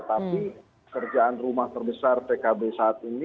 apakah perjalanan rumah terbesar pkb saat ini